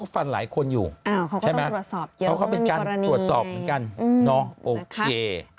เขาก็ตรวจสอบเยอะเขาก็ไม่มีกรณี